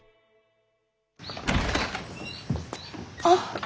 あっ。